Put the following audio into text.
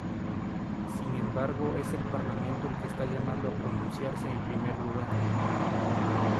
Sin embargo, es el Parlamento el que está llamado a pronunciarse en primer lugar.